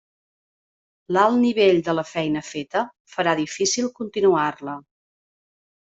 L'alt nivell de la feina feta farà difícil continuar-la.